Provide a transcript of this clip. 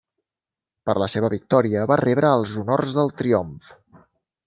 Per la seva victòria va rebre els honors del triomf.